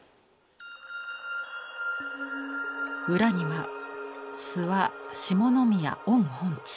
裏には「諏訪下宮御本地」。